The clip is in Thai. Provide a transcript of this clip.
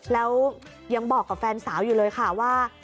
แล้วยังบอกกับแฟนสาวอยู่เลยค่ะว่า